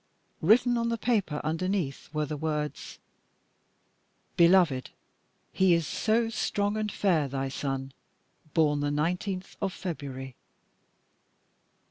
Written on the paper underneath were the words: "Beloved, he is so strong and fair, thy son, born the 19th of February."